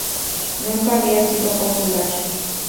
Nunca había sido popular.